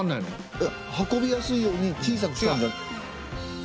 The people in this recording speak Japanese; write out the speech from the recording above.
えっ運びやすいように小さくした。